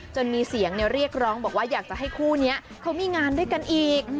มีเสียงเรียกร้องบอกว่าอยากจะให้คู่นี้เขามีงานด้วยกันอีก